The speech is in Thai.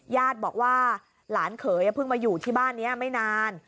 ญาติบอกว่าหลานเขยเพิ่งมาอยู่ที่บ้านนี้ไม่นาน